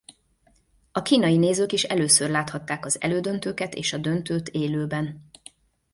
A kínai nézők is először láthatták az elődöntőket és a döntőt élőben.